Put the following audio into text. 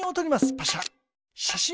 パシャ。